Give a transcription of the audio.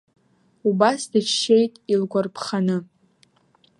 Убас дыччеит илгәарԥханы…